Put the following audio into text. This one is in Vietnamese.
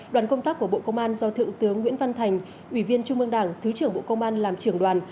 đoàn công tác của bộ công an do thượng tướng nguyễn văn thành ủy viên trung mương đảng thứ trưởng bộ công an làm trưởng đoàn